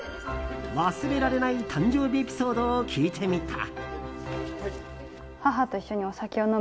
忘れられない誕生日エピソードを聞いてみた。